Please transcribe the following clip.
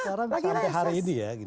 sekarang sampai hari ini ya